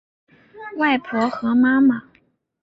外婆和妈妈